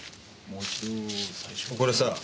これさあ。